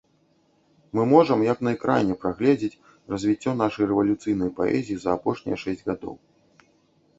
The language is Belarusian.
Мы можам, як на экране, прагледзець развіццё нашай рэвалюцыйнай паэзіі за апошнія шэсць гадоў.